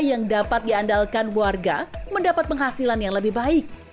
yang dapat diandalkan warga mendapat penghasilan yang lebih baik